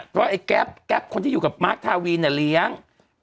เพราะไอ้แก๊ปแก๊ปคนที่อยู่กับมาร์คทาวีนเนี่ยเลี้ยง